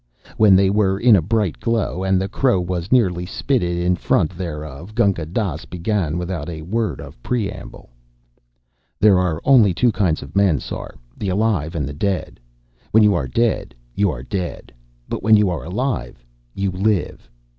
When they were in a bright glow, and the crow was nearly spitted in front thereof, Gunga Dass began without a word of preamble: "There are only two kinds of men, Sar. The alive and the dead. When you are dead you are dead, but when you are alive you live."